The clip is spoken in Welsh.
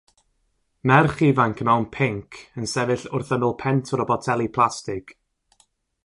Merch ifanc mewn pinc yn sefyll wrth ymyl pentwr o boteli plastig.